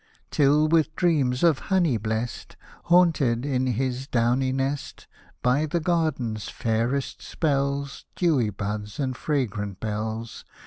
Till, with dreams of honey blest. Haunted, in his downy nest. By the garden's fairest spells. Dewy buds and fragrant bells.